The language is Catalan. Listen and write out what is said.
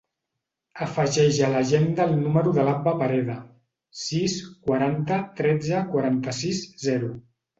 Afegeix a l'agenda el número de l'Abba Pereda: sis, quaranta, tretze, quaranta-sis, zero.